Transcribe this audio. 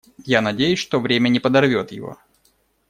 Я надеюсь, что время не подорвет его.